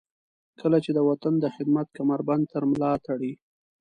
کله چې د وطن د خدمت کمربند تر ملاتړئ.